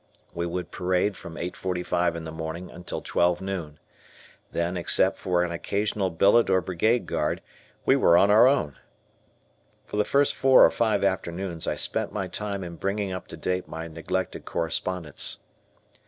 We would parade from 8.45 in the morning until 12 noon. Then except for an occasional billet or brigade guard we were on our own. For the first four or five afternoons I spent my time in bringing up to date my neglected correspondence.